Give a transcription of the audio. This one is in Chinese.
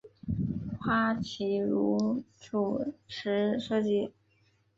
花琦如主持设计。